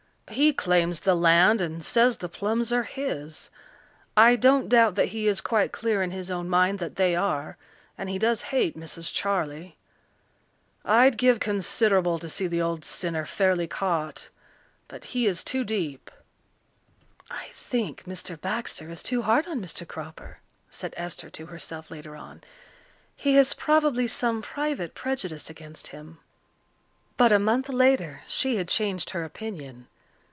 He claims the land and says the plums are his. I don't doubt that he is quite clear in his own mind that they are. And he does hate Mrs. Charley. I'd give considerable to see the old sinner fairly caught, but he is too deep." "I think Mr. Baxter is too hard on Mr. Cropper," said Esther to herself later on. "He has probably some private prejudice against him." But a month later she had changed her opinion.